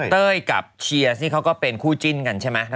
เต้ยกับเชียร์นี่เขาก็เป็นคู่จิ้นกันใช่ไหม